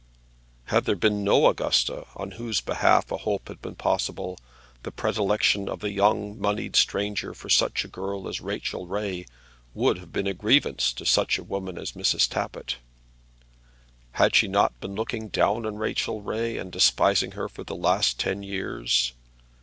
Had there been no Augusta on whose behalf a hope had been possible, the predilection of the young moneyed stranger for such a girl as Rachel Ray would have been a grievance to such a woman as Mrs. Tappitt. Had she not been looking down on Rachel Ray and despising her for the last ten years?